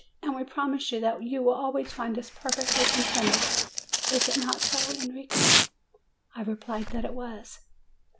And we promise you that you will always find us perfectly contented. Is it not so, Enrico?" I replied that it was.